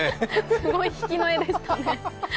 すごい引きの画でしたね。